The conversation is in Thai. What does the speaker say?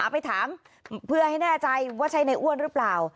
ไปถามเพื่อให้แน่ใจว่าใช่ในอ้วนหรือเปล่า